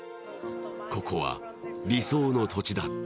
ここは理想の土地だった。